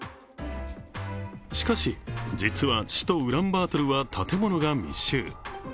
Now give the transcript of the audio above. しかし、実は首都ウランバートルは建物が密集。